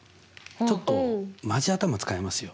ちょっとマジ頭使いますよ。